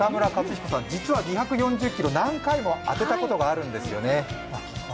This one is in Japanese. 実は２４０キロ、何回も当てたことがあるんですよね。